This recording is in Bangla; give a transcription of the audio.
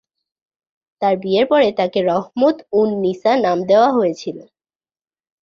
তার বিয়ের পরে তাকে রহমত-উন-নিসা নাম দেওয়া হয়েছিল।